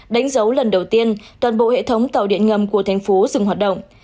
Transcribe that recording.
đánh dấu lần đầu tiên toàn bộ hệ thống tàu điện ngầm của thành phố dừng hoạt động